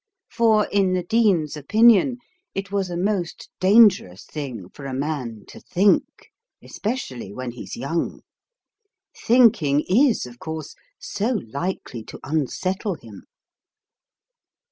For, in the Dean's opinion, it was a most dangerous thing for a man to think, especially when he's young; thinking is, of course, so likely to unsettle him!